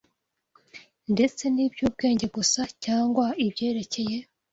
ndetse n’iby’ubwenge gusa, cyangwa ibyerekeye